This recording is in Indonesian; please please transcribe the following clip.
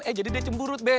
eh jadi dia cemurut be